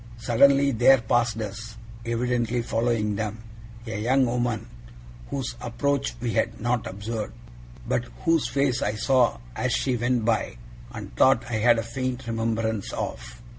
Suddenly there passed us evidently following them a young woman whose approach we had not observed, but whose face I saw as she went by, and thought I had a faint remembrance of.